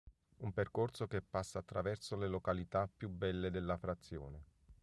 Un percorso che passa attraverso le località più belle della frazione.